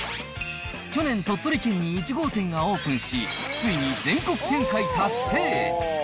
去年、鳥取県に１号店がオープンし、ついに全国展開達成。